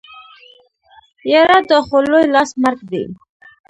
يره دا خو لوی لاس مرګ دی.